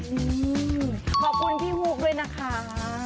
อืมขอบคุณพี่ฮูกด้วยนะคะ